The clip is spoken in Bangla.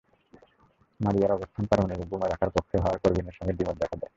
মারিয়ার অবস্থান পারমাণবিক বোমা রাখার পক্ষে হওয়ায় করবিনের সঙ্গে দ্বিমত দেখা দেয়।